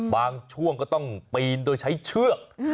บางช่วงก็ต้องปีนโดยใช้เชือก